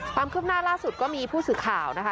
ความคืบหน้าล่าสุดก็มีผู้สื่อข่าวนะคะ